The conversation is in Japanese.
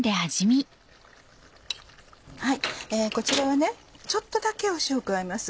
こちらはちょっとだけ塩を加えます。